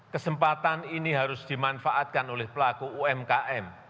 kesempatan ini harus dimanfaatkan oleh pelaku umkm